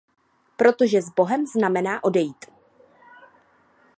Protože sbohem znamená odejít.